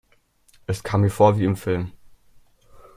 Es kam mir vor wie im Film.